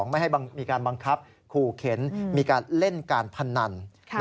ไม่ให้มีการบังคับขู่เข็นมีการเล่นการพนัน